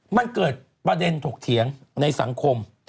มันเกิดประเด็นถกเถียงในสังคม